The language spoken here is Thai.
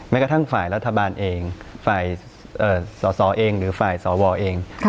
กระทั่งฝ่ายรัฐบาลเองฝ่ายสสเองหรือฝ่ายสวเอง